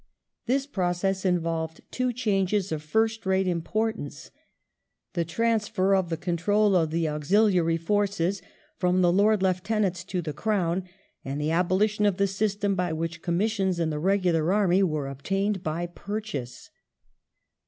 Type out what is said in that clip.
This process involved two changes of first rate importance : the trans ference of the control of the auxiliary forces from the Lord Lieu tenants to the Crown, and the abolition of the system by which commissions in the regular army were obtained by purchase.